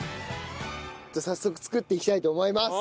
早速作っていきたいと思います。